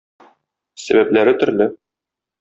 Сәбәпләре төрле.